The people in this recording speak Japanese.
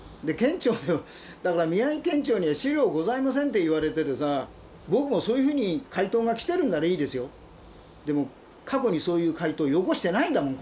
だから宮城県庁には資料ございませんって言われててさ僕もそういうふうに回答が来てるんならいいですよ。でも過去にそういう回答をよこしてないんだもんこれ。